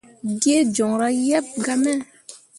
Gee joŋra yeb gah me.